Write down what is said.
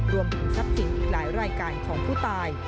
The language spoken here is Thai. รวมถึงทรัพย์สินอีกหลายรายการของผู้ตาย